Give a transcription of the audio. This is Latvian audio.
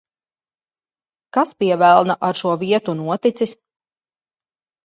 Kas, pie velna, ar šo vietu noticis?